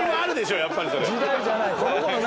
やっぱりそれ。